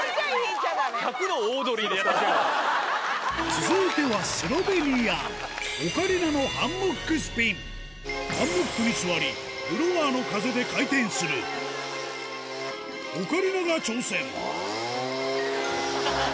続いてはハンモックに座りブロワーの風で回転するオカリナが挑戦ハハハハ！